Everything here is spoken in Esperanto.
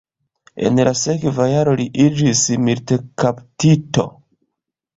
En la sekva jaro li iĝis militkaptito.